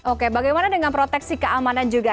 oke bagaimana dengan proteksi keamanan juga